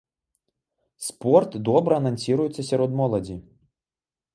Спорт добра анансіруецца сярод моладзі.